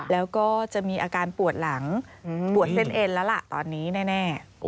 แล้วก็จะมีอาการปวดหลังปวดเส้นเอ็นแล้วล่ะตอนนี้แน่